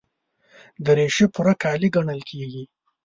دریشي پوره کالي ګڼل کېږي.